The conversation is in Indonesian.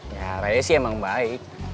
ya raya sih emang baik